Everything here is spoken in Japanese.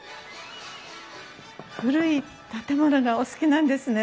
古い建物がお好きなんですね？